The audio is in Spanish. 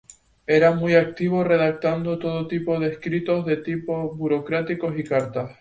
Era muy activo redactando todo tipo de escritos de tipo burocrático y cartas.